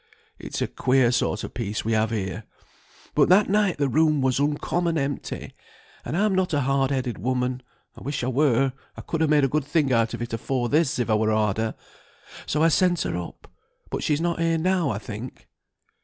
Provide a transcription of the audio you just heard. It's a queer sort of peace we have here, but that night the room was uncommon empty, and I'm not a hard hearted woman (I wish I were, I could ha' made a good thing out of it afore this if I were harder), so I sent her up, but she's not here now, I think."